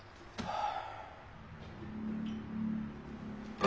ああ。